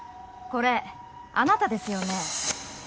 これあなたですよね？